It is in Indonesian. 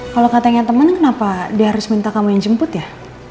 kalau katanya teman kenapa dia harus minta kamu yang jemput ya